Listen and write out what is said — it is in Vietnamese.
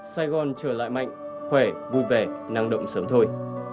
sài gòn trở lại mạnh khỏe vui vẻ năng động sớm thôi